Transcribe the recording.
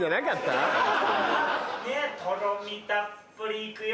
とろみたっぷり行くよ。